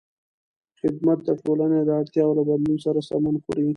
خدمت د ټولنې د اړتیاوو له بدلون سره سمون خوري.